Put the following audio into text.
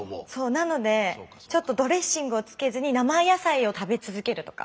なのでちょっとドレッシングをつけずに生野菜を食べ続けるとか。